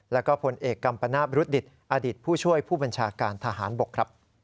แล้วก็ผลเอกกัมปนาศบรุษดิตอดีตผู้ช่วยผู้บัญชาการทหารบกครับ